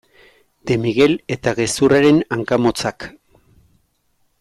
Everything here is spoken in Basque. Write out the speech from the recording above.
De Miguel eta gezurraren hanka motzak.